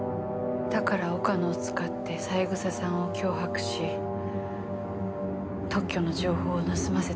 だから岡野を使って三枝さんを脅迫し特許の情報を盗ませたの？